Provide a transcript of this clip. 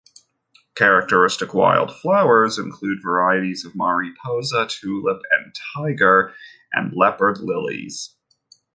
Characteristic wild flowers include varieties of mariposa, tulip, and tiger and leopard lilies.